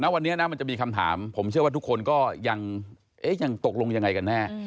วันนี้นะมันจะมีคำถามผมเชื่อว่าทุกคนก็ยังตกลงยังไงกันแน่